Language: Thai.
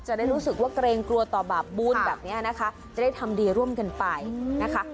จะได้รู้สึกว่าเกรงกลัวต่อบาปบุญแบบนี้นะคะจะได้ทำดีร่วมกันไปนะคะ